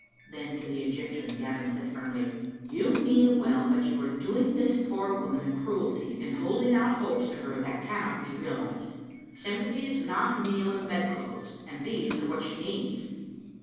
Then to the Egyptian Gavin said firmly —" You mean well, but you are doing this poor woman a cruelty in holding out hopes to her that cannot be realised. Sympathy is not meal and bedclothes, and these are what she needs."